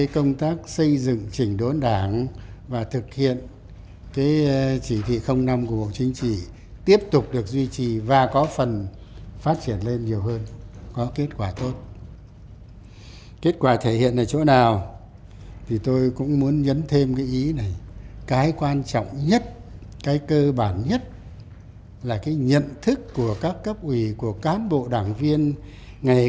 công tác xây dựng đảng được trú trọng thực hiện nghiêm các nguyên tắc quy định của đảng